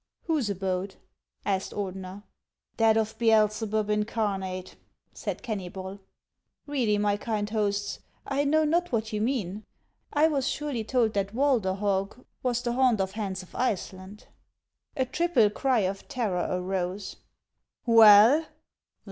" Whose abode ?" asked Ordener. " That of Beelzebub incarnate," said Kenny bol. " Really, my kind hosts, I know not what you mean. HANS OF ICELAND. 315 I was surely told that Walderhog was the haunt of Hans of Iceland." A triple cry of terror arose. " Well